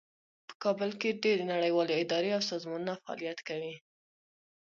په کابل کې ډیرې نړیوالې ادارې او سازمانونه فعالیت کوي